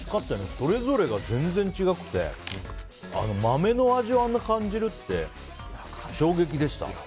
それぞれが全然違くて豆の味をあんなに感じるって衝撃でした。